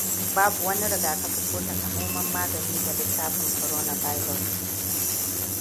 Babu wani rigakafi ko takamaiman magani ga littafin coronavirus.